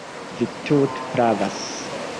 Vi tute pravas.